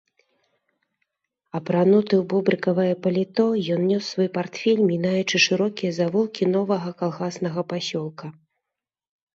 Апрануты ў бобрыкавае паліто, ён нёс свой партфель, мінаючы шырокія завулкі новага калгаснага пасёлка.